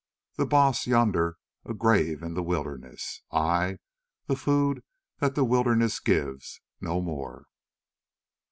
The Baas yonder a grave in the wilderness—I the food that the wilderness gives, no more."